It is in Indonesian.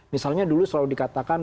misalnya dulu selalu dikatakan